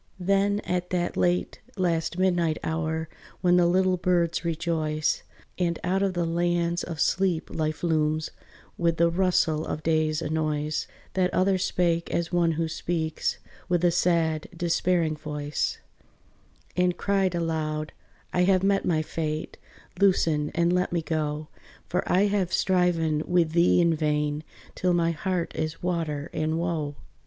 Then at that late, last midnight hour, When the little birds rejoice, And out of the lands of sleep life looms With the rustle of day's annoys, That other spake as one who speaks With a sad despairing voice, And cried aloud, "I have met my fate, Loosen, and let me go; For I have striven with thee in vain, Till my heart is water and woe."